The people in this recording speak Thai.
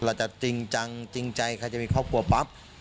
จริงจังจริงใจใครจะมีครอบครัวปั๊บ